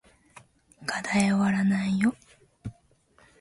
課題おわらないよ